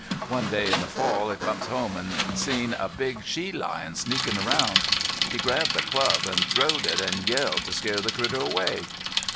One day in the fall he comes home an' seen a big she lion sneakin' around. He grabbed a club, an' throwed it, and yelled to scare the critter away.